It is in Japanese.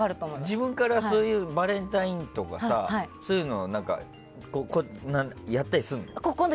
自分からそういうバレンタインとかやったりするの？